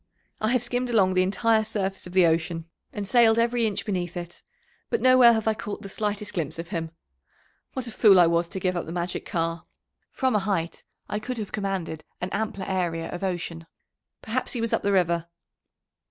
"I have skimmed along the entire surface of the ocean, and sailed every inch beneath it, but nowhere have I caught the slightest glimpse of him. What a fool I was to give up the magic car! From a height I could have commanded an ampler area of ocean. Perhaps he was up the river."